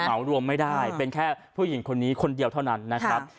เหมารวมไม่ได้เป็นแค่ผู้หญิงคนนี้คนเดียวเท่านั้นนะครับ